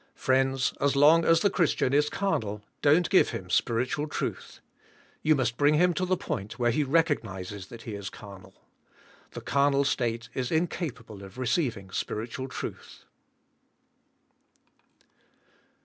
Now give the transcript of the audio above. Friends, as long" as the Christian is carnal don't g ive him spiritual truth. You must bring him to the point where he recog nizes that he is carnal. The carnal state is incapable of receiving" spiritual truth.